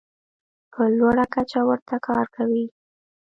په لوړه کچه ورته کار کوي.